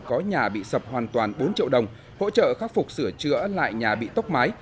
có nhà bị sập hoàn toàn bốn triệu đồng hỗ trợ khắc phục sửa chữa lại nhà bị tốc mái